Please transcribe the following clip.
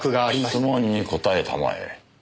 質問に答えたまえ。